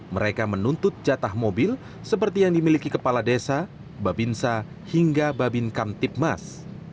mereka menuntut jatah mobil seperti yang dimiliki kepala desa babinsa hingga babin kamtipmas